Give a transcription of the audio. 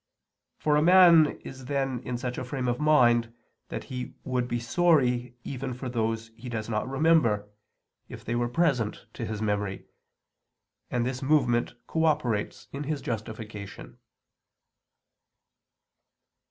For a man is then in such a frame of mind that he would be sorry even for those he does not remember, if they were present to his memory; and this movement cooperates in his justification.